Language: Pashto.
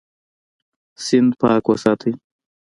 سیند پاک وساتئ.